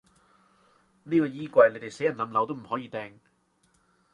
呢個衣櫃，你哋死人冧樓都唔可以掟